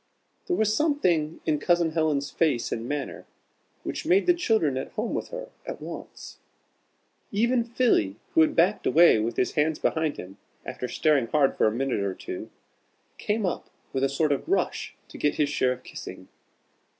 There was something in Cousin Helen's face and manner, which made the children at home with her at once. Even Philly, who had backed away with his hands behind him, after staring hard for a minute or two, came up with a sort of rush to get his share of kissing.